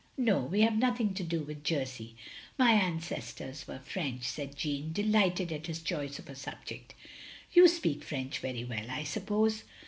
"No, we have nothing to do with Jersey, My ancestors were Prench, " said Jeanne, delighted at his choice of a subject. "You speak Prench very well, I suppose?"